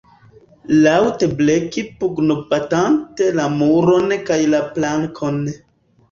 Laŭte bleki pugnobatante la muron kaj la plankon.